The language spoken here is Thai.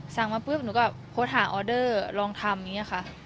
สั่งมาปลึบหนูก็โพสต์หาเอาโดร์ลองทำเงี้ยค่ะ